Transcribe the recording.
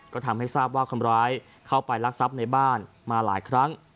ก็ทำให้ทราบว่าคนร้ายเข้าไปรักทรัพย์ในบ้านมาหลายครั้ง